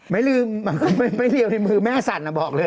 ไม่ลืมไม่เรียวเลยมือแม่สั่นอะบอกเลย